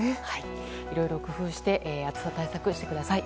いろいろ工夫して暑さ対策をしてください。